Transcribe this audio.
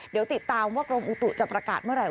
เดี๋ยวติดตามว่ากรมอุตุจะประกาศเมื่อไห